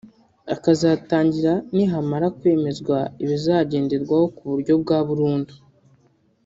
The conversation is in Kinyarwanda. akazatangira nihamara kwemezwa ibizagenderwaho ku buryo bwa burundu